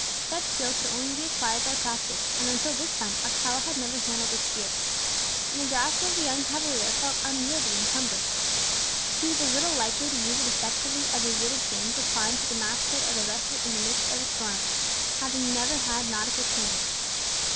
Such skill could only be acquired by practice, and until this time Alcala had never handled a spear. In the grasp of the young cavalier it felt unwieldy and cumbrous. He was as little likely to use it effectually, as he would have been to climb to the mast head of a vessel in the midst of a storm, having never had nautical training.